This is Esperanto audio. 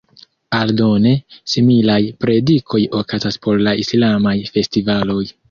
Aldone, similaj predikoj okazas por la islamaj festivaloj.